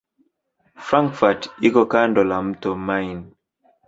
Frankfurt iko kando la mto Main.